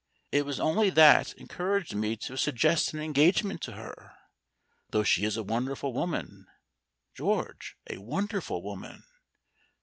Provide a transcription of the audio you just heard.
It was only that encouraged me to suggest an engagement to her. Though she is a wonderful woman, George a wonderful woman.